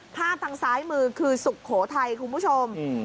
ผ้าตางซ้ายมือคือสุขโขทัยคุณผู้ชมอืม